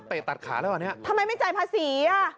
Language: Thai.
อ้าวทำไมไม่จ่ายภาษี